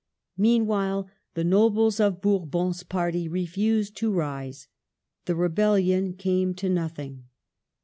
Meanwhile the nobles of Bourbon's party refused to rise. The rebellion came to nothing.